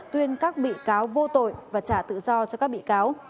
tuyên các bị cáo vô tội và trả tự do cho các bị cáo